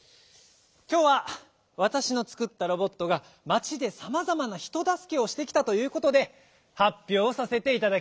きょうはわたしのつくったロボットが町でさまざまなひとだすけをしてきたということで発表させていただきます。